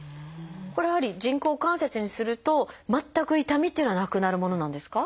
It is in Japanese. これやはり人工関節にすると全く痛みっていうのはなくなるものなんですか？